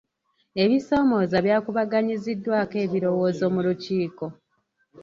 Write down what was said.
Ebisoomooza byakubaganyiziddwako ebirowoozo mu lukiiko.